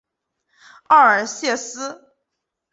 奥尔谢斯。